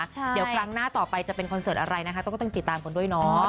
เดี๋ยวครั้งหน้าต่อไปจะเป็นคอนเสิร์ตอะไรนะคะต้องติดตามกันด้วยเนาะ